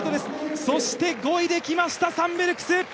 ５位で来ました、サンベルクス。